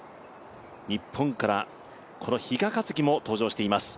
日本からこの比嘉一貴も登場しています。